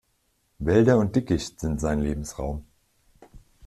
Wälder und Dickicht sind sein Lebensraum.